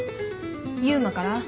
悠馬から？